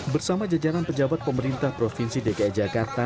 bersama jajaran pejabat pemerintah provinsi dki jakarta